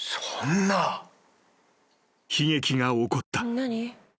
［悲劇が起こった］